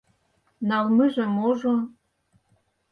— Налмыже-можо...